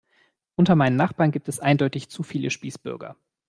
Unter meinen Nachbarn gibt es eindeutig zu viele Spießbürger.